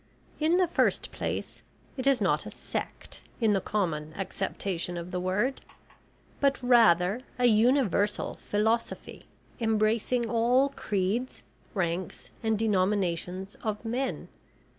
In the first place it is not a sect in the common acceptation of the word, but rather a universal philosophy embracing all creeds, ranks, and denominations of men.